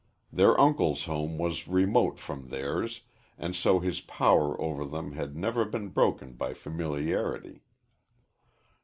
Their uncle's home was remote from theirs, and so his power over them had never been broken by familiarity.